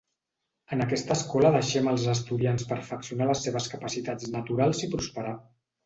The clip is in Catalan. En aquesta escola deixem els estudiants perfeccionar les seves capacitats naturals i prosperar.